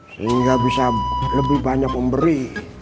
sehingga bisa lebih banyak memberi